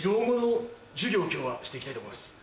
を今日はして行きたいと思います。